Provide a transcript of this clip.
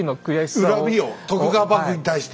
恨みを徳川幕府に対して。